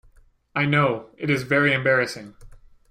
I know; it is very embarrassing.